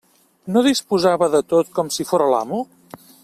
No disposava de tot com si fóra l'amo?